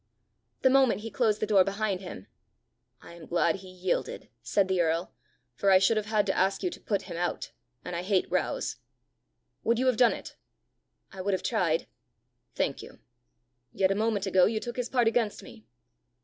The moment he closed the door behind him, "I am glad he yielded," said the earl, "for I should have had to ask you to put him out, and I hate rows. Would you have done it?" "I would have tried." "Thank you. Yet a moment ago you took his part against me!"